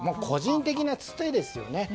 個人的なツテですよね。